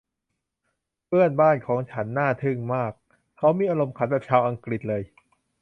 เพื่อนบ้านของฉันน่าทึ่งมาก เขามีอารมณ์ขันแบบชาวอังกฤษเลย